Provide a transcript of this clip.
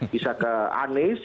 bisa ke anis